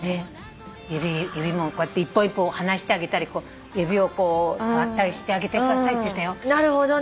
指もこうやって一本一本はなしてあげたり指を触ったりしてあげてくださいっつってたよ。